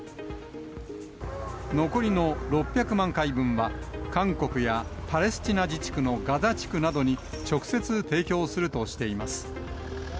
残りの６００万回分は、韓国やパレスチナ自治区のガザ地区などに、直接提供するとしています。